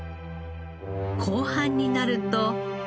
後半になると。